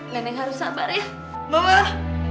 nenek harus sampai ke rumah